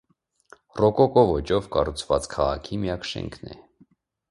Ռոկոկո ոճով կառուցված քաղաքի միակ շենքն է։